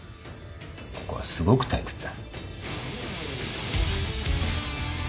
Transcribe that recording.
ここはすごく退屈だ